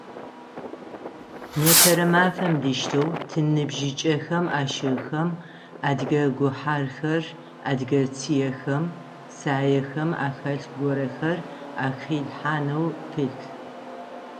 Непэрэ мафэм диштэу тиныбжьыкӏэхэм ащыгъхэм адыгэ гухьархэр, адыгэ цыехэм, саехэм ахэлъ горэхэр ахилъхьанэу пылъ.